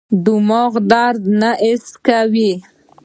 دماغ درد نه حس کوي.